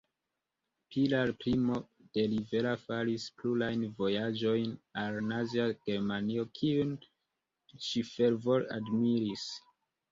Pilar Primo de Rivera faris plurajn vojaĝojn al Nazia Germanio, kiun ŝi fervore admiris.